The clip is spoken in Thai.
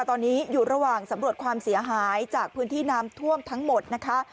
ตอนนี้อยู่ระหว่างสำรวจความเสียหายจากพื้นที่น้ำท่วมทั้งหมดนะคะ